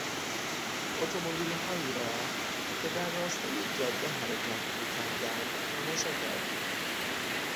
اتومبیلهایی را که در راستای جاده حرکت میکردند تماشا کردیم.